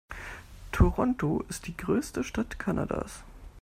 Toronto ist die größte Stadt Kanadas.